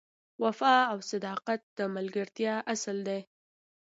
وفا او صداقت د ملګرتیا اصل دی.